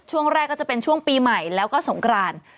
ช่วงแรกก็จะเป็นช่วงปีใหม่แล้วก็สงกราน